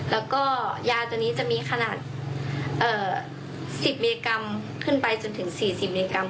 แล้วก็ยาตัวนี้จะมีขนาด๑๐มิลลิกรัมขึ้นไปจนถึง๔๐มิลลิกรัม